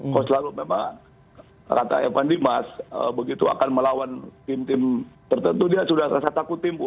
kalau selalu memang kata evan dimas begitu akan melawan tim tim tertentu dia sudah rasa takut timbu